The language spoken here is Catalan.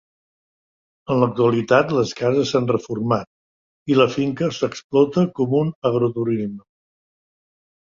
En l'actualitat les cases s'han reformat i la finca s'explota com un agroturisme.